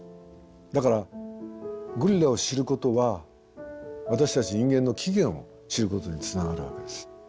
だからゴリラを知ることは私たち人間の起源を知ることにつながるわけです。